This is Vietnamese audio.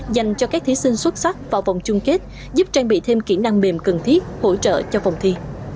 dành cho các thí sinh xuất sắc vào vòng chung kết giúp trang bị thêm kỹ năng mềm cần thiết hỗ trợ cho vòng thi